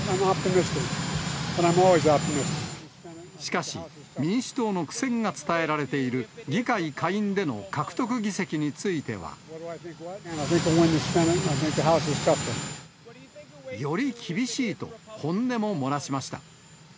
しかし、民主党の苦戦が伝えられている、議会下院での獲得議席については。より厳しいと、本音も漏らしました。